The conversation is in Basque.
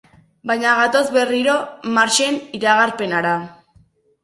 Baina gatozen berriro Marxen iragarpenera.